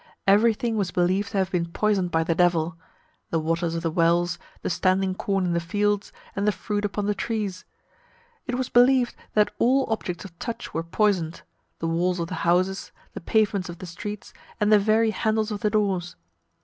Every thing was believed to have been poisoned by the Devil; the waters of the wells, the standing corn in the fields, and the fruit upon the trees. It was believed that all objects of touch were poisoned; the walls of the houses, the pavements of the streets, and the very handles of the doors.